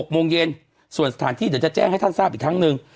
๖โมงเย็นส่วนสถานที่เดี๋ยวจะแจ้งให้ท่านทราบอีกครั้งหนึ่ง